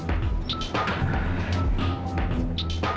aku pegang janji kamu jess